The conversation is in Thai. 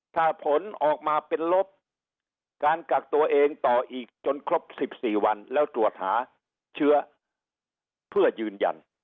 ถ้าผลออกมาเป็นลบการกักตัวเองต่ออีกจนครบ๑๔วันแล้วตรวจหาเชื้อเพื่อยืนยัน